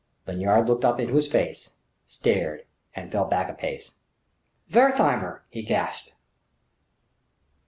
Lanyard looked up into his face, stared, and fell back a pace. "Wertheimer!" he gasped.